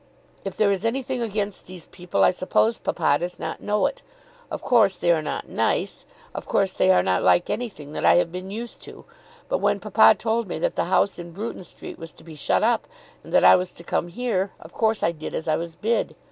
If there is anything against these people, I suppose papa does not know it. Of course they are not nice. Of course they are not like anything that I have been used to. But when papa told me that the house in Bruton Street was to be shut up and that I was to come here, of course I did as I was bid.